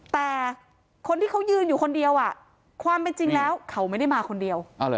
แต่คนที่เขายืนอยู่คนเดียวความเป็นจริงแล้วเขาไม่ได้มาคนเดียว